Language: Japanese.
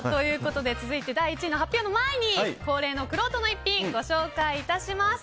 続いて第１位の発表の前に恒例のくろうとの逸品ご紹介いたします。